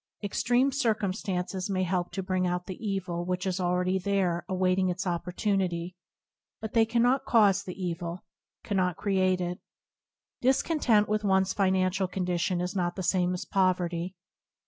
Extreme circumstances may help to bring out the evil which is already there awaiting its opportunity, but they cannot cause the evil, cannot create it. Discontent with one's financial condition is not the same as poverty.